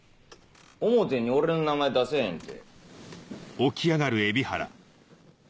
表に俺の名前出せへんって。